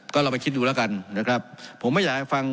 ก็ลองไปคิดดูแล้วกันนะครับผมไม่อยากให้ฟัง